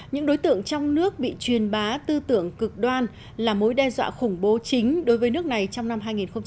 những đối tượng trong nước bị truyền bá tư tưởng cực đoan là mối đe dọa khủng bố chính đối với nước này trong năm hai nghìn một mươi tám